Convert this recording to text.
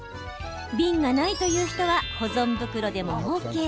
瓶がないという人は保存袋でもＯＫ。